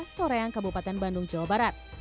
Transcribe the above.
soreang kabupaten bandung jawa barat